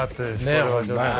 これはちょっと。